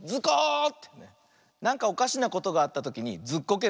なんかおかしなことがあったときにずっこけるのね。